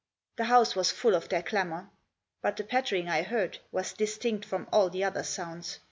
The house was full of their clamour. But the pattering I heard was distinct from all the other sounds.